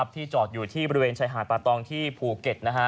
ที่จอดอยู่ที่บริเวณชายหาดป่าตองที่ภูเก็ต